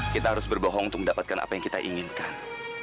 kita harus berbohong untuk mendapatkan apa yang kita inginkan